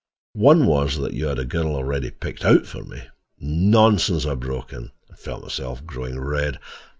"One was that you had a girl already picked out for me—" "Nonsense," I broke in, and felt myself growing red.